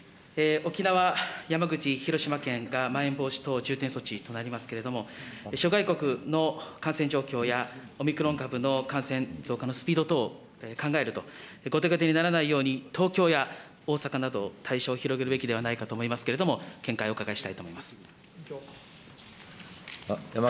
沖縄、山口、広島県が、まん延防止等重点措置となりますけれども、諸外国の感染状況や、オミクロン株の感染増加のスピード等を考えると、後手後手にならないように、東京や大阪など、対象を広げるべきではないかと思いますけれども、見解をお伺いしたいと思います。